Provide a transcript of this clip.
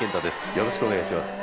よろしくお願いします